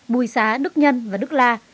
bùi xá đức nhân và đức la